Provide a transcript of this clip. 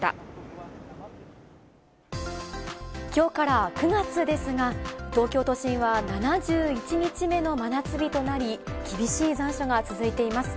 きょうから９月ですが、東京都心は７１日目の真夏日となり、厳しい残暑が続いています。